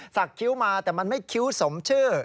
คิ้วมาแต่มันไม่คิ้วสมชื่อ